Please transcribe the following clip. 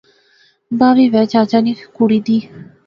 با وی وہے چچا نی کڑی دی